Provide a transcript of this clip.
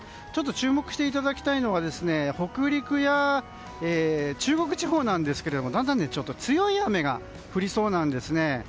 注目していただきたいのは北陸や中国地方なんですがだんだん強い雨が降りそうなんです。